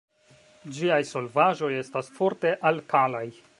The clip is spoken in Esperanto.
Ĝiaj solvaĵoj estas forte alkalaj.